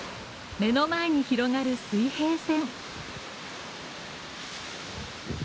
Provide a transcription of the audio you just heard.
目の前に広がる水平線。